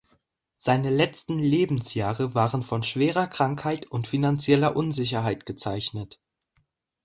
Seine letzten Lebensjahre waren von schwerer Krankheit und finanzieller Unsicherheit gezeichnet.